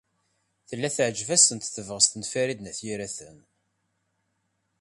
Tella teɛjeb-asent tebɣest n Farid n At Yiraten.